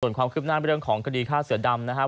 ส่วนความคืบหน้าเรื่องของคดีฆ่าเสือดำนะครับ